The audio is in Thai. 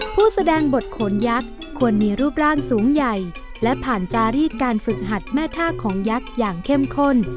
แสดงบทโขนยักษ์ควรมีรูปร่างสูงใหญ่และผ่านจารีดการฝึกหัดแม่ท่าของยักษ์อย่างเข้มข้น